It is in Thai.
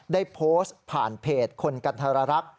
ได้โพสต์ผ่านเพจคนกันทรรักษ